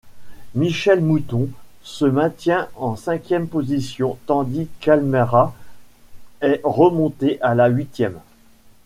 Michèle Mouton se maintient en cinquième position, tandis qu'Alméras est remonté à la huitième.